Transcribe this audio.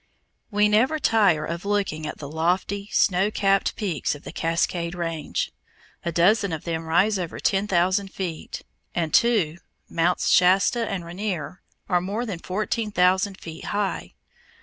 We never tire of looking at the lofty snow capped peaks of the Cascade Range. A dozen of them rise over ten thousand feet, and two, Mounts Shasta and Ranier, are more than fourteen thousand feet high.